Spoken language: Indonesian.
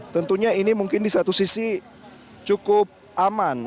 tentunya ini mungkin di satu sisi cukup aman